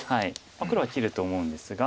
黒は切ると思うんですが。